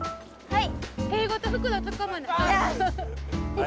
はい。